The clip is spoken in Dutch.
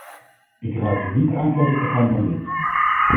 Ik raad u niet aan verder te gaan dan dit.